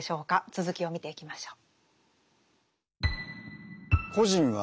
続きを見ていきましょう。